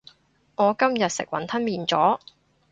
我今日食雲吞麵咗